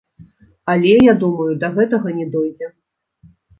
Але, я думаю, да гэтага не дойдзе.